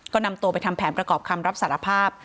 ก็นำตัวไปทำแผนประกอบคำรับสารภาพ